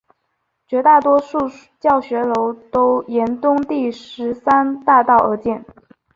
绝大多数教学楼都沿东第十三大道而建。